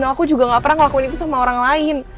aku juga gak pernah ngelakuin itu sama orang lain